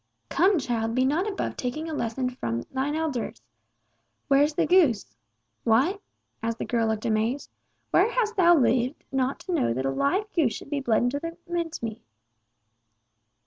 "Come, child, be not above taking a lesson from thine elders! Where's the goose? What?" as the girl looked amazed, "where hast thou lived not to know that a live goose should be bled into the mincemeat?"